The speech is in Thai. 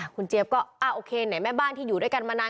คุณเจี๊ยบก็โอเคไหนแม่บ้านที่อยู่ด้วยกันมานาน